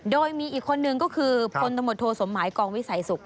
โดยมีอีกคนนึงก็คือพลตำรวจโทสมหมายกองวิสัยสุข